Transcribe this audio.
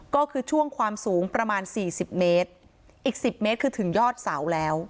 ก็คือช่วงความสูงประมาณสี่สิบเมตรอีกสิบเมตรคือถึงยอดเสาแล้ว